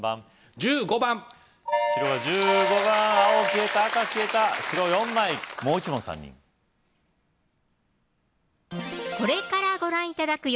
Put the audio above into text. １５番白が１５番青消えた赤消えた白４枚もう１問３人これからご覧頂く４